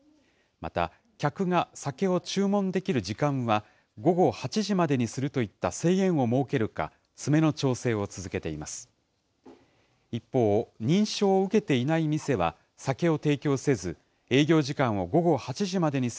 また客が酒を注文できる時間は午後８時までにするといった制限を設けるか、詰めの調整を続けています。